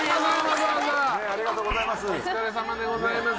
ありがとうございます。